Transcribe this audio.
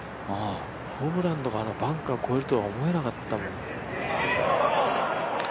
ホブランドがバンカー越えるとは思えなかったもん。